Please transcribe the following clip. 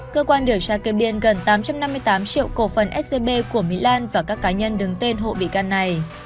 cơ quan điều tra kê biên gần tám trăm năm mươi tám triệu cổ phần scb của mỹ lan và các cá nhân đứng tên hộ bị can này